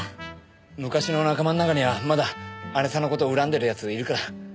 昔の仲間の中にはまだ姐さんの事恨んでるやついるから。